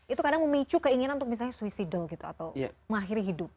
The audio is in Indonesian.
itu kadang memicu keinginan untuk misalnya swissyidle gitu atau mengakhiri hidup